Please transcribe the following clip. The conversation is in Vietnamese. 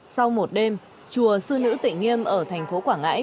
sau một đêm chùa sư nữ tị nghiêm ở thành phố quảng ngãi